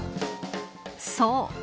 ［そう。